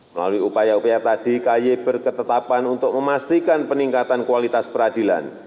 melalui upaya upaya tadi ky berketetapan untuk memastikan peningkatan kualitas peradilan